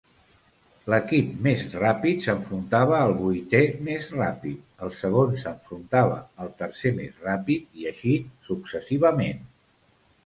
L'equip més ràpid s'enfrontava al vuitè més ràpid, el segon s'enfrontava al tercer més ràpid, i així successivament.